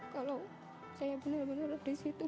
kalau saya benar benar di situ